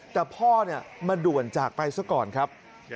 แต่พ่อมาด่วนจากไปซะก่อนครับ